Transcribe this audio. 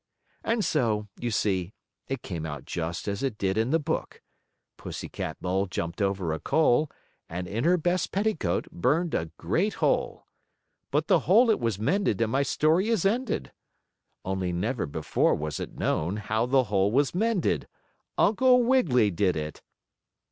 And so, you see, it came out just as it did in the book: Pussy Cat Mole jumped over a coal, and in her best petticoat burned a great hole. But the hole it was mended, and my story is ended. Only never before was it known how the hole was mended. Uncle Wiggily did it.